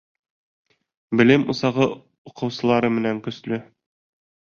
Белем усағы уҡыусылары менән көслө.